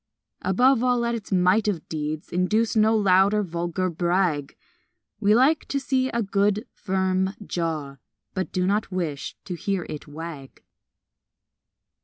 Above all, let its might of deeds Induce no loud or vulgar brag We like to see a good, firm jaw, But do not wish to hear it wag.